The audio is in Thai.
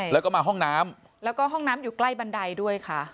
แล้วก็มาห้องน้ำแล้วก็ห้องน้ำอยู่ใกล้บันไดด้วยค่ะ